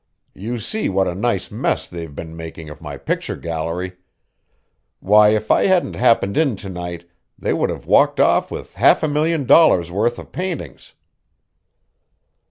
You see what a nice mess they've been making of my picture gallery. Why, if I hadn't happened in to night they would have walked off with half a million dollars' worth of paintings."